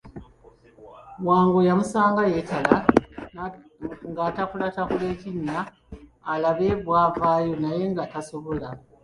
Wango yamusanga yeetala ng'atakulatakula ekinnya alabe bw'avaayo naye nga tasobola.